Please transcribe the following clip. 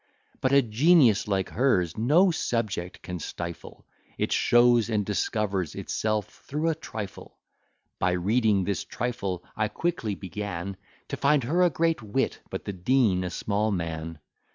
But a genius like hers no subject can stifle, It shows and discovers itself through a trifle. By reading this trifle, I quickly began To find her a great wit, but the dean a small man.